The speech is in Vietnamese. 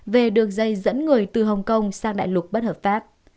về đường dây dẫn người từ hồng kông sang đại lục bất hợp pháp